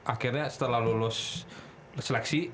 akhirnya setelah lulus seleksi